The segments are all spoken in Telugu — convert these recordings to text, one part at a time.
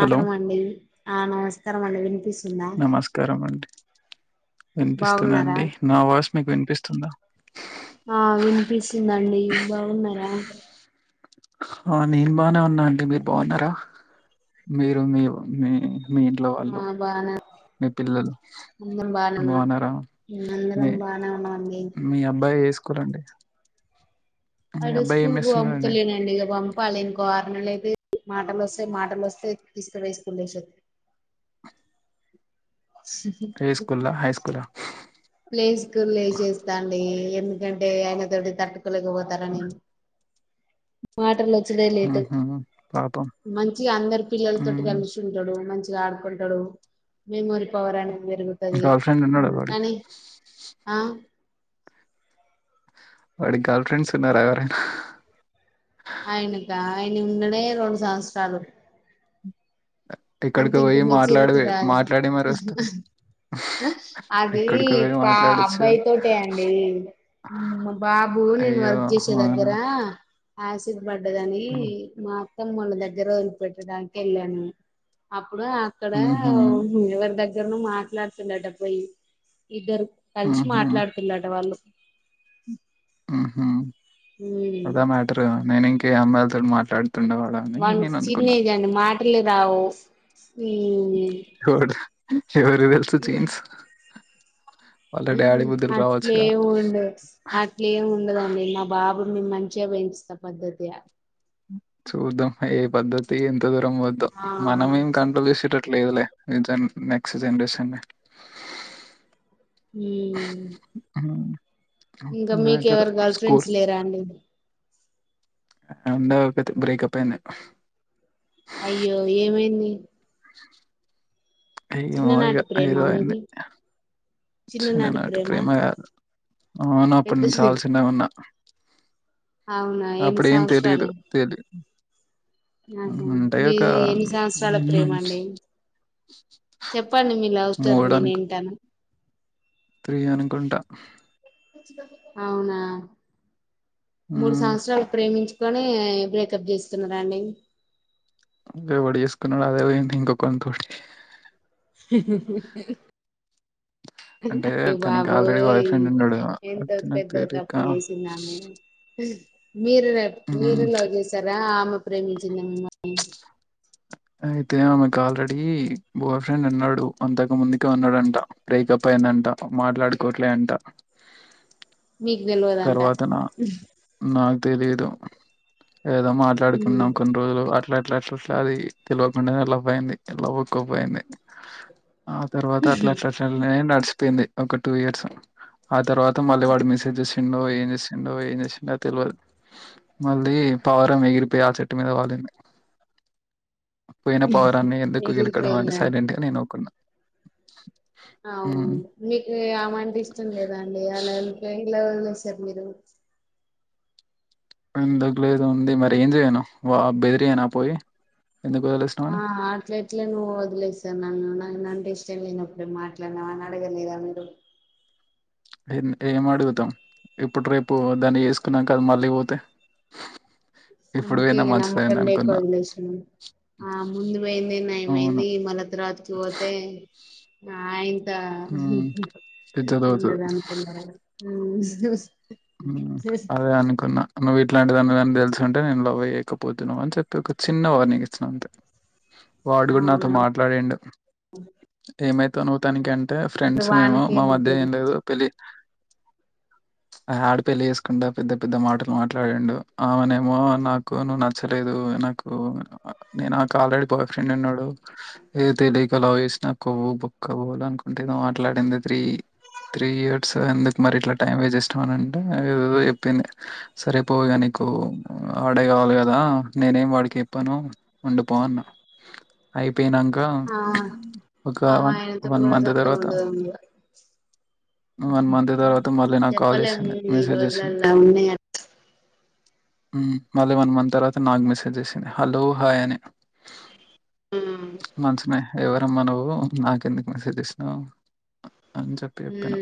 హలో మండి ఆ నమస్కారంమండి వినిపి నమస్కారం అండి బాగున్నారా వినిపిస్తుందండి నా వాయిస్ మీకు వినిపిస్తుందా ఆ వినిపిస్తుందండి బాగున్నారా ఆ నేను బానే ఉన్నా అండి మీరు బాగున్నారా మీరు మీ మీ మీ ఇంట్లో ఆ వాళ్ళు బానే మీ పిల్లలు అందరం బానే ఉన్నాం బాగున్నారా మీ అందరం బానే ఉన్నామండి మీ అబ్బాయి ఏ స్కూల్ అండి మీ అడు అబ్బాయి ఏం స్కూల్ కు చేస్తున్నాడండి పంపుతలేనండి ఇక పంపాలి ఇంకో యితే మాటలు వస్తయి మాటలు వస్తే తీసుకు పోయి స్కూల్ లో యేసే ఏ స్కూల్లా హై స్కూలా ప్లే స్కూల్ లో యేసేస్తాండి ఎందుకంటే ఆయన తోటి తట్టుకోలేకపోతారని మాటలు వచ్చుడే లేటు ఊహూ పాపం మంచిగా అందరి పిల్లలతోటి మ్మ్ కలిసింటడు మంచి ఆడుకుంటాడు మెమొరి పవర్ అం పెరుగుతది గర్ల్ ఫ్రెండ్ ఉన్నాడా ఉం వాడికి కానీ ఆ వాడికి గర్ల్ఫ్రెండ్స్ ఉన్నారా ఎవరైనా ఆయనక ఆయన నిన్ననే రెండు సంవత్సరాలు అంత ఎక్కడికో ఇంకా పోయి మాట్లాడి మెచ్యూరిటీ రాల మాట్లాడి మరి వస్తారా ఆ అవి ఎక్కడికో పోయి పా మాట్లాడొచ్చుగా అబ్బాయి తోటే అండి ఉం మా బాబు నేను అయ్యో వర్క్ చేసే అవునా దగ్గరా యాసిడ్ పడ్డదని మా అత్తమోల్ల దగ్గర వదిలి పెట్టడానికి వెళ్ళాను ఆ ఇప్పుడు అక్కడ ఊహూ ఎవరి దగ్గర్ను మాట్లాడుతుండట పోయి ఇద్దరు కలిసి ఊహూ మాట్లాడుతున్నట వాళ్ళు ఆహా ఉమ్ అదా మ్యాటర్ నేను ఇంక అమ్మాయిలతోో మాట్లాడుత వాళ చిన్ని గాని మాటలు రావు ఎవరి తెల్స్ జీన్స్ వాళ్ళ డాడీ బుద్ధులు రావచ్చుగా. అట్లేమి ఉండదు అట్లేమి ఉండదండి మా బాబు మిమ్మని డిస్టబెన్స్ అంత పద్ధతి య చూద్దాం ఏ పద్ధతి ఎంత దూరం పోద్దో ఆ మనమ ఏం కంట్రోల్ చేసేటట్ లేదులే ఏ జెన్ నెక్స్ట్ జనరేషన్ హు మటర్ గర్ల్ స్కూల్ ఫ్రెండ్స్ లేరా అండి ఉండె ఒకటి బ్రేకప్ అయ్యో ఏమైంది ఏందో ఇగా చిన్ననాటి ఏదో ప్రేమ అయ్యింది మీది చిన్ననాటి ప్రేమ కాదు అవును అప్పుడు నేను పెద్దది చాలా చిన్నగా ఉన్నా అవునా ఎన్ని తెలీదు. సంవత్సరాలు తెలి ఆహా ఉంటాయి మీ ఒక ఎన్ని సంవత్సరాల ప్రేమ అండి చెప్పండి మీ లవ్ స్టోరీ నేను మూడనుకు వింటాను త్రీ అనుకుంట అవునా మూడు హ్మ్. సంవత్సరాలు ప్రేమించు కొని బ్రేకప్ చేస్తున్నారా అండి ఎవడ్ చేేసుకున్నాడు అదే ఇంక వరకి అంటే అదే తనకి ఆల్రెడీ బాయ్ బాబోయి ఫ్రెండ్ ఉన్నాడు. అయితే ఎంతవు నాకు పెద్ద తెలీక తప్పు చేసిందామె హ మీరు రేప్ మీరు హ్మ్. లవ్ చేసారా ఆమె ప్రేమించింద మిమ్మల్ని అయితే ఆమెకు ఆల్రెడీ బాయ్ ఫ్రెండ్ ఉన్నాడు అంతకు ముందుకే ఉన్నాడంట బ్రేకప్ అయిందంట పాప్ మాట్లాడుకోట్లే అంట మీకు తెల్వదంట తర్వాత న నా తెలీదు ఏదో మాట్లాడుకున్నాం కొన్ని రోజులు అ అట్ల అట్ల అట్ల అట్లా అది పిలవకుండానే అలా పోయింది ఎలా ఒక్కువ పోయింది ఆ తర్వాత అట్ల అట్లానే నడిస్ పింది ఒక టూ ఇయర్స్ ఆ తర్వాత మళ్ళీ వాడి క్ మెసేజెస్ సిందో ఏం చేసిండో ఏం చేసిండో తెల్వదు మళ్ళీ పావురం ఎగిరిపోయి ఆ చెట్టు మీద వాాలి పోయిన పావురాన్ని ఎందుకు గెలకడం అంటే ఎగిరిపోయిందా సైలెంట్ గా నేను ఊకున్నా ఉమ్ అవున మీకు ఆమంటె ఇష్టం లేదా అండి అలా ఎల్లి పోయి లవ్ సార్ మీరు ఎందుకు లేదండి మరి ఏం చేయను వా బెదిరియనా పోయి ఎందుకు వదిలేసినావు ఆ అని ఆట్లెట్ల నువ్ వదిలేసావ్ నన్ను చెళ్ళినప్పుడుే మాట్లాడినామ అని అడగలేదా మీరు ఏం అడుగుతాం ఇప్పుడు రేపు దాన్ని చేసుకున్నాక అది మళ్ళీ పోతే ఇప్పుడు అందుకే పోయినా ఇక నమ్మకం మంచిదైంది లేక అనుకున్నా వదిలే ఆ ముందు పోయింది అవును నయమయింది మళ్ళ త రాత్రికి పోతే ఆ ఇంత హ్మ్. పిచ్చతగుతది. ఉండద అనుకున్నార అదే అనుకున్నా నువ్వు ఇట్లాంటి దానివి అని తెలుసుంటే నేను లవ్ చేయకపోతున్నావ్ అని చెప్పి ఒక చిన్న వార్నింగ్ ఇచ్చినను అంతే వాడు కూడా నాతో అవును మాట్లాడండు ఏమైత నువ్వు తననికి అ‌ని. అంటే ఫ్రెండ్స్ మేము మా వానికేం మధ్య అనిపియదు. ఏం లేదు పెళ్లి. ఆ ఆడ పెళ్లి చేేసుకుండా పెద్ద పెద్ద మాటలు మాట్లాడాండు ఆమెనే ఏమో నాకు నువ్వు నచ్చలేదు. నే నా ఆల్రెడీ బాయ్ ఫ్రెండ్ ఉన్నాడు ఏ తెలియక లవ్ చేసిన కొ. ఒక్క బోల్ అనుకుంటే ఏదో మాట్లాడింది త్రీ త్రీ ఇయర్స్ ఎందుకు మరి ఇట్లా టైం వేసట్. ఉంటనంటే ఇగ ఏదదో చెప్పింది సరిపోగా నీకు ఆడే కావాలి కదా నే. నెను వాడికి చేప్పను వుండిపో అని చెప్పింది. పోయినాక ఆ ఒక ఆమె వన్ ఆయనతోటి వన్ కూడా మంత్ చక్కగా తర్వాత. ఉండదు ఇగ వన్ మంత్ తర్వాత మళ్ళీ నాకు కాల్ చెప్పలేము చేసింది ఈ మెసేజ్ చేసింది. రోజులలా ఉన్నాయి మళ్ళీ వన్ మంత్ తర్వాత నాకు మెసేజ్ చేసింది హలో హాయ్ అని. ఉమ్ మంచినె ఎవరమ్మా నువ్వు నాకెందుకు మెసేజ్ చసినావు. అని చెప్పి చెప్పిన.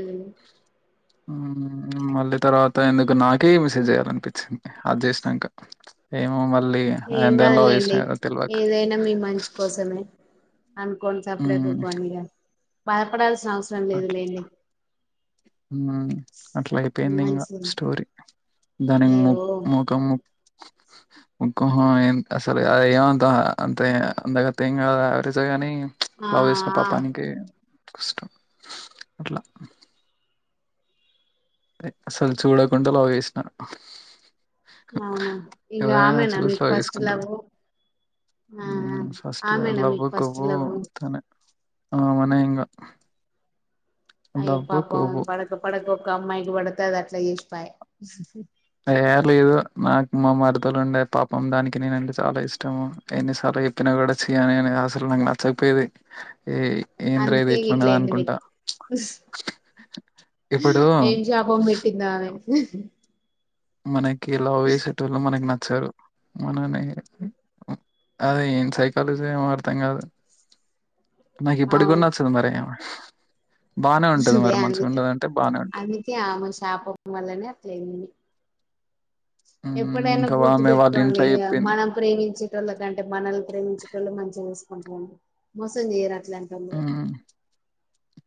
మళ్ళీ తర్వాత ఎందుకు నాకే మెసేజ్ చేయాలనిపించింది అది చేసినాక ఏమో మళ్ళ. ఏం కదులేండి ఏదైనా మీ మంచి కోసమే. అనుకోని సప్పడేక హ్మ్. ఉకోవాలి ఇగ బాదపడాల్సిన అవసరం లేదు అట్లా లేండి. అట్లా అయిపోయింది ఇంకా మంచిది స్టోరీ. దానికి ము అయ్యో ముఖం ముఖం అసలు. ద ఏమంతా అంతే అంతకతం యావరేజ్ కాని ఆ లవ్ చేసిన పాపానికి. కష్టం అట్లా. అసలు చూడకుండా లావ్ చెసిన. అవునా ఇగ ఆమెనా మీకు ఫస్ట్ లావ్. ఆ ఫస్ట్ లవ్ ఫస్ట్ కొవ్వు లవ్ అమ్మే ఇగ. అమ్మేనే ఇంగ. అయ్య లవ్వు, పాపం కొవ్వు. పడక పడక ఒక అమ్మాయికి పడతే అది అట్లా చేసిపాయి. లేదు నాకు మా మరదలు ఉండే పాపం దానికి నేనంటే చాలా ఇష్టము ఎన్నిసార్లు. చెప్పిన కుడా అసలు నచ్చట్లేదు. ఏ ఏంట్ర ఇది అందుకే ఎట్లాన్నది ఇట్లయింది అనుకుంటా. మీకు ఇప్పుడు ఏం శాపం పెట్టిందో ఆమె. మనకి లవ్ సెట్ అవనలకి నాచ్చ. వచ్చారు మనని అదే ఏం సైకాలజీ ఏమో అర్థం కాదు. నాకు ఇపడి కూడా అవును నచ్చదు మరే. అదే అండి ఉంటది. అందుకే ఆమె శాపకం వల్లనే అట్లేంది. హ్మ్. ఎప్పుడైనా ఇంకా గుర్తు ఆమె వాళ్ళ ఇంట్లో పెట్టుకోండిఇగ చెప్పింది. మనం ప్రేమించి. చోళ కంటే మనల్ని ప్రేమించేవాళ్ళు మంచిగా చేేసుకుంటారండి మోసం చేయారండి. ఉమ్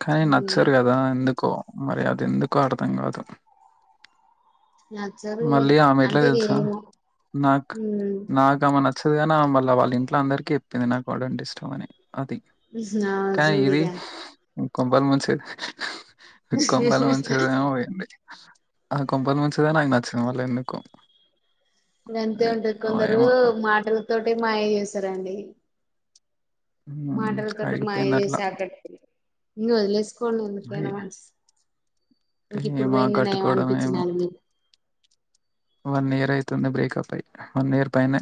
కానీ ఉమ్ నచ్చరు కదా ఎందుకో. మరి అది ఎందుకు అర్థం కాదు. నచ్చరు ఇగ మళ్ళీ ఆమె ఎట్లా అంటే ఇగ తెలుసా ఏమో నాక్ ఉమ్ నాకు ఆమె నచ్. నచ్చదు గాని ఆమె మల్ల వాళ్ళ ఇంట్లో అందరికీ చెప్పింది నాకు వాడంటే ఇష్టం అని. అది ఆ కాని ఇది. చూడిగా కొంపలు ముంచెది కొంపాలు ముంచెది పోయింది. ఆ కొంపలు ముంచేదే నాకు నచ్చింది ఎందుకో. గంతే ఉంటది కొందరు మాటలతోనే మాయ చేస్తారండి. హ్మ్. మాటలతోనే మాయ చేసి ఆగిపోయిందట్లా. ఆకట్టుకుంటారు. ఈగ వదిలేసుకుండి ఎందుకైనా మంచిది. ఇంక ఇప్పుడు ఏమో పోయింది నయం కట్టుకోవడం ఏమో. అనిపించినలె మీకు. వన్ ఇయర్ అయితుంది బ్రేకప్ అయి వన్ ఇయర్ పైన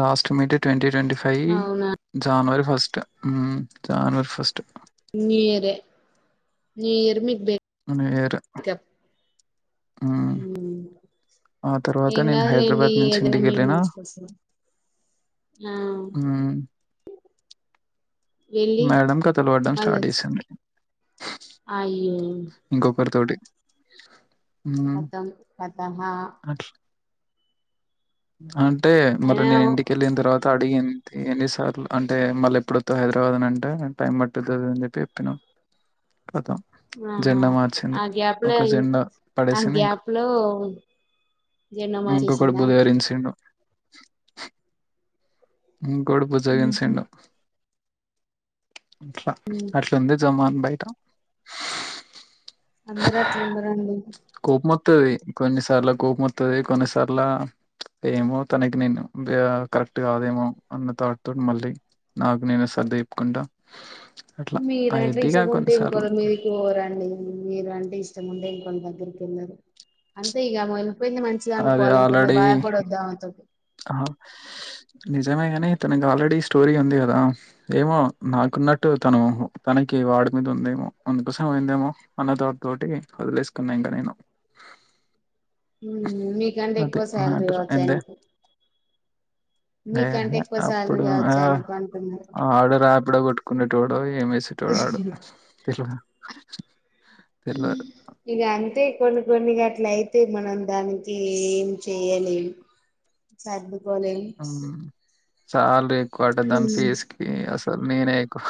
last meet twenty. Twenty five అవునా January first um January first. New year ఏ న్యూ ఇయర్ మీక్. New year. మ్మ్ హు. ఆ తర్వాత నేను ఏంకాదు లేండి హైదరాబాద్ నుంచి ఏదైనా ఇంటికి మీ వెళ్ళిన మంచి కోసం ఆ మ్మ్ వెళ్ళి మేడం కథలు పడ్డం స్టార్ట్ మళ్ళొచ్చి చేసింది అయ్యో ఇంకొకరితోటి మొత్తం మత్తహ అట్లా అంటే మరి అయినా నేను ఇంటికెళ్ళిన తర్వాత అడిగన్ ఎన్ని సార్లు అంటే మళ్ళీ ఎప్పుడోత్తవ్ హైదరాబాద్ అని అంటే టైం పట్టిద్ది అది అని చెప్పి చెప్పినాను కతం ఆహా జెండా మార్చింది ఆ గ్యాప్ లో ఒక జెండా ఆ పడేసింది ఇంక గ్యాప్ లో జీర్ణం ఇంకొకడు వచ్చేసిందా బుధకరించిండు ఇంకోడు బుజ్జాగించిండు అట్లా అట్లుంది జమాన్ బయట అందరు అట్లా ఉండారండి త్తాది కొన్నిసార్లు కోపంత్తాది కొన్నిసార్ల ఏమో తనకి నేను కరెక్ట్ కాదేమో అన్న తాడ్తోటి మళ్ళీ నాకు నేను సర్ది చెప్పుకుంటా అట్లా మీరంటే అయిద్దిగా ఇష్టం ఉంటే కొన్నిసార్లు ఇంకోరి మీదికిపోరండి మీరు అంటే ఇష్టము ఉండేం అంతే ఇగ అది ఆల్రడీ ఆమెతోటి నిజమే కాని తనకి ఆల్రెడీ స్టోరీ ఉంది కదా ఏమో నాకున్నట్టు తను తనకి వాడి మీద ఉందేమో అందుకోసం పోందేమో అన్నథాట్ తోటి వదిలేసుకున్నా ఇంకా నేను ఉమ్, మీకంటే అది ఎక్కువ శాలరీ మ్యాటర్ కావచ్చు ఎందే ఆయనకు ఏహ మీకంటే ఎక్కువ శాలరీ అప్పుడు కావచ్చు ఆ ఆయనకు అంటున్నారు ఆర్డర్ ఆపిడ కొట్టుకునేటోడ ఏమే ట్టుటోడు వాడు ఇట్టు ఇక అంతే కొన్ని కొన్ని గట్ట అట్లా అయితే మనం దానికి ఏం చేయలేం సర్ పోలె సాలరీ ఎక్కువ అట దాని ఫెస్కి అసలు నేనే ఎక్కువ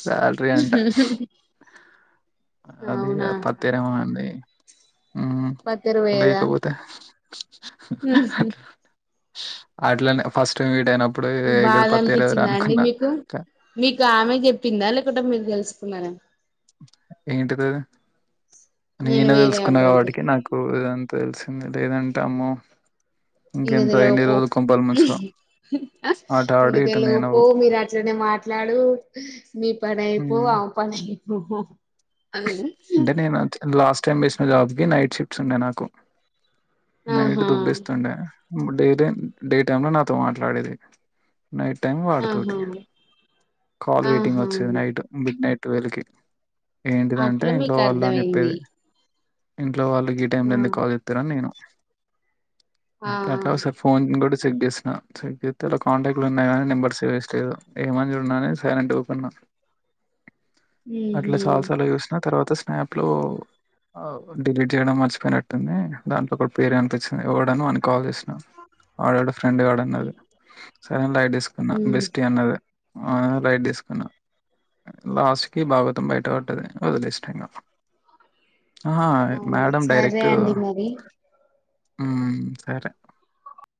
శాలరీ అంట అది ఆ అవునా పత్తిరేమ అండి ఊ పత్తరు పోయేదా లేకపోతే ఉహు. అట్లానే ఫస్ట్ మీటైనప్ బాదా అనిపించిందా అండి మీకు క- మీకు ఆమె చెప్పిందా లేకుంట మీ తెలూసుకున్నార ఏంటిదది నేను నేనే వేరే తెలుసుకున్నా అబ్బాయితో కాబటికి నాకు ఇదంతా తెలిసింది లేదంటే అమ్మో ఇంగ ఇంకెంత తెలవదు పో ఏన్నిరో కొంప ఇంక ఇటు నేను తెలిపో మీరు అట్లనే మాట్లాడు మీ నీ పనైపోవ్ మ్మ్. ఆ పానైపోవ్ అంటే నేను లాస్ట్ టైం వేసిన జాబ్కి నైట్ షిఫ్ట్స్ ఉండే నాకు నైట్ ఆహా దుబ్బిస్తుండే డైలీ డే టైమ్ లో నాతో మాట్లాడేది నైట్ టైం ఆహా వాడుతోటి కాల్ వెయిటింగ్ ఆహా వచ్చేది నైట్ మిడ్ నైట్ టువెల్కి ఏంటిదంటే అట్లా ఇంట్లో మీకు వాళ్ళు అని అర్థమైంది చెప్పేది ఇంట్లో వాళ్లు గి టైమ్ లో ఆ ఎందుకు కాల్ చెత్తారని నేను ఆ అట్లా అట్లా ఓసారి ఫోన్ కూడా చెక్ చేసిన్నా చెక్ చేస్తే అలా కాంటాక్ట్లు ఉన్నాయి గానీ నెంబర్స్ చెస్ట్ లేదు ఏమని చూడ్న్నాని సైలెంట్ ఊకున్నా అట్లా ఉహు చాలసార్లు చూసినా తర్వాత స్నాప్ లో డిలీట్ చేయడం మర్చిపోయినట్టుంది దాంట్లో ఒక పేరు అనిపించింది ఎవడని వానికి కాల్ చేసినా ఆడెవడో ఫ్రెండ్ గాడు అన్నది సరే అని లైట్ తీసుకున్నా ఉ బెస్టీ అన్నది ఆ లైట్ తీసుకున్నా లాస్ట్ కి భాగోతం బయట వడ్డది వదిలేశ్న ఇంగ అప్ అహా అవును మేడమ్ సరే డైరెక్ట్ అండి మరి ఊమ్ సరే